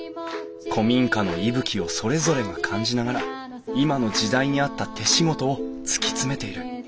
古民家の息吹をそれぞれが感じながら今の時代に合った手仕事を突き詰めている。